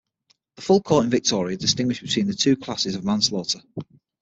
The Full Court in Victoria distinguished between the two classes of manslaughter.